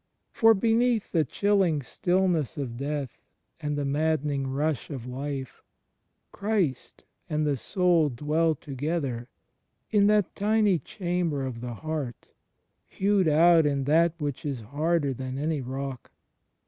For beneath the chilling stillness of death and the maddening rush of life, Christ and the soul dwell together in that tiny chamber of the heart, hewed out in that which is harder than any rock.